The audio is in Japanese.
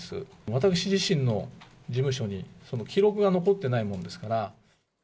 私自身の事務所にその記録が残ってないもんですから。